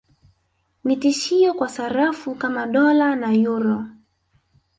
Ni tishio kwa sarafu kama Dola na Euro